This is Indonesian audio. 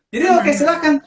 jadi oke silahkan